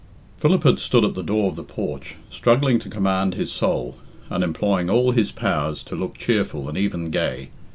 Philip had stood at the door of the porch, struggling to command his soul, and employing all his powers to look cheerful and even gay.